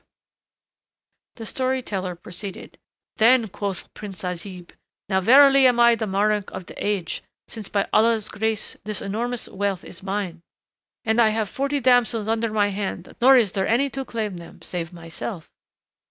The story teller proceeded, "Then, quoth Prince Azib, now verily am I the monarch of the age, since by Allah's grace this enormous wealth is mine; and I have forty damsels under my hand nor is there any to claim them save myself."